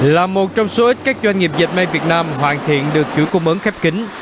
là một trong số ít các doanh nghiệp dệt may việt nam hoàn thiện được chuỗi cung ứng khép kính